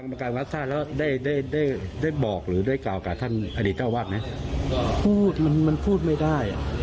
อักษายุนาที